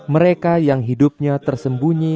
mereka yang hidupnya tersembunyi